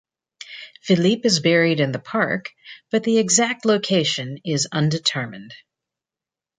Philippe is buried in the park but the exact location is undetermined.